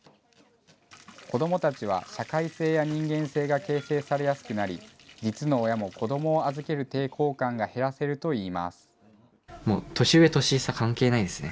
子どもたちは社会性や人間性が形成されやすくなり、実の親も子どもを預ける抵抗感が減らせるといいます。